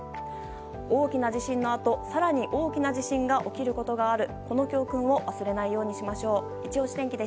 大きな地震のあと更に大きな地震が起きることがある。